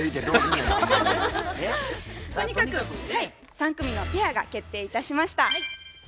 とにかく３組のペアが決定いたしました。